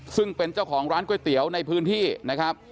ซึ่งเป็นเจ้าของร้านก๋วยเตี๋ยวในพื้นที่นะครับ